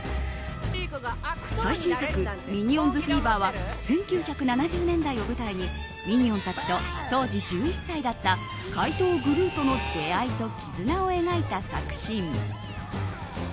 最新作「ミニオンズフィーバー」は１９７０年代を舞台にミニオンたちと当時１１歳だった怪盗グルーとの出会いと絆を描いた作品。